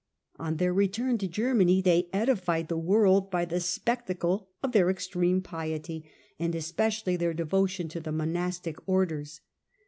On their return to Germany they edified the world by the spectacle of their extreme piety, and especially their devotion to the monastic orders.